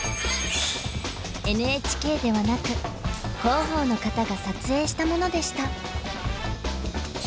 ＮＨＫではなく広報の方が撮影したものでした。